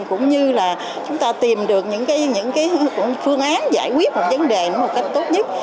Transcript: cũng như là chúng ta tìm được những cái phương án giải quyết một vấn đề một cách tốt nhất